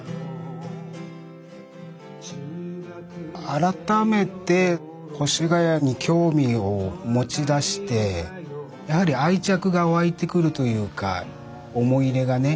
改めて越谷に興味を持ちだしてやはり愛着が湧いてくるというか思い入れがね